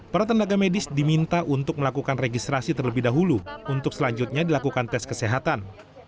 para tenaga medis diminta untuk melakukan registrasi terlebih dahulu untuk selanjutnya dilakukan tes kesehatan